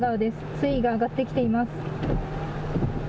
水位が上がってきています。